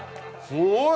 すごい！